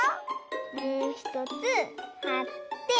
もうひとつはって。